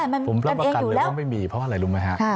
มันเป็นเองอยู่แล้วผมรับประกันเลยเพราะไม่มีเพราะอะไรรู้ไหมฮะ